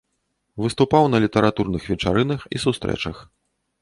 Выступаў на літаратурных вечарынах і сустрэчах.